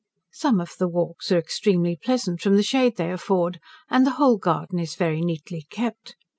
Some of the walks are extremely pleasant from the shade they afford, and the whole garden is very neatly kept.